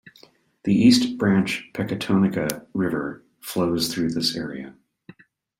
The East Branch Pecatonica River flows through this area.